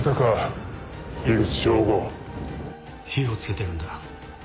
火を付けてるんだ。